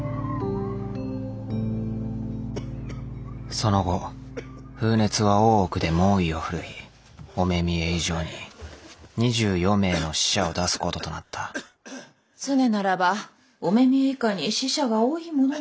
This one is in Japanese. その後風熱は大奥で猛威を振るい御目見以上に２４名の死者を出すこととなった常ならば御目見以下に死者が多いものなのに逆さ。